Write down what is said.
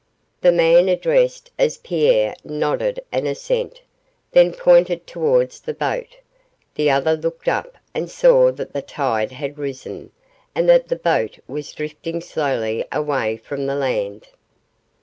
The man addressed as Pierre nodded an assent, then pointed towards the boat; the other looked up and saw that the tide had risen, and that the boat was drifting slowly away from the land.